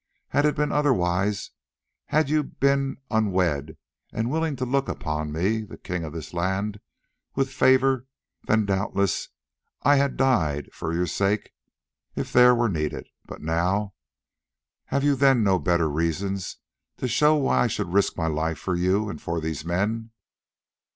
Had it been otherwise, had you been unwed and willing to look upon me, the king of this land, with favour, then doubtless I had died for your sake if there were need. But now—! Have you then no better reasons to show why I should risk my life for you and for these men?"